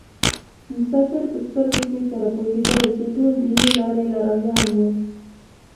مسافر په سترګو کې سره پوهېدل چې ټول د یوې لارې لارویان وو.